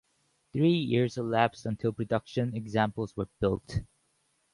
Three years elapsed until production examples were built.